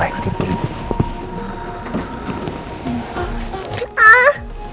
ini yang baik